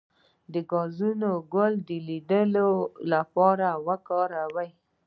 د ګازرې ګل د لید لپاره وکاروئ